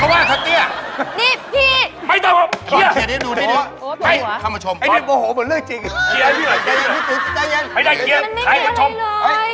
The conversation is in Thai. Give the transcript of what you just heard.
มันไม่มีอะไรเลย